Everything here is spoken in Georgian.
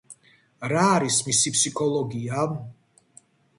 რა არის მისი ფსიქოლოგია?